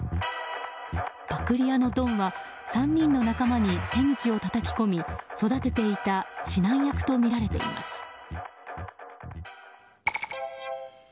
パクり屋のドンは３人の仲間に手口をたたき込み育てていた指南役とみられています。